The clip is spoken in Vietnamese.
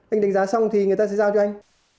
anh đánh giá xong thì người ta sẽ giao cho anh